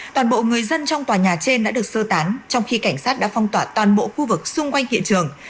toàn bộ người dân trong tòa nhà trên đã được sơ tán trong khi cảnh sát đã phong tỏa toàn bộ khu vực xung quanh hiện trường